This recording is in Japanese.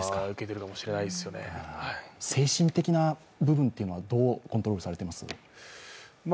精神的な部分っていうのはどうコントロールされてます？